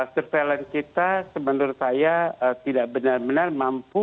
surveillance kita menurut saya tidak benar benar mampu